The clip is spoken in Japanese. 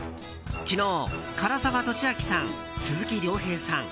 昨日、唐沢寿明さん鈴木亮平さん